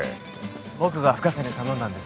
僕が深瀬に頼んだんです